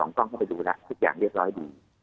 กล้องเข้าไปดูแล้วทุกอย่างเรียบร้อยดี